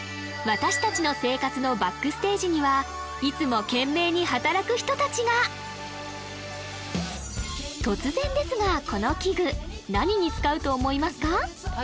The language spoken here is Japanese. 私達の生活のＢＡＣＫＳＴＡＧＥにはいつも懸命に働く人達が突然ですがこの器具何に使うと思いますか？